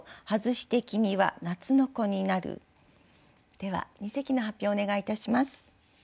では二席の発表をお願いいたします。